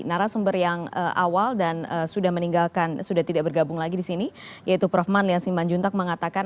narasumber yang awal dan sudah meninggalkan sudah tidak bergabung lagi di sini yaitu prof manlian simanjuntak mengatakan